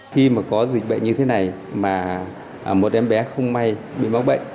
khi mà có dịch bệnh như thế này mà một em bé không may bị mắc bệnh